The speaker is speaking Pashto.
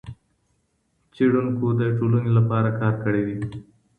څېړونکو د ټولني لپاره کار کړئ دئ.